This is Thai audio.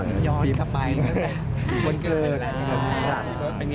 ย้อนร๑๙๔เสมอ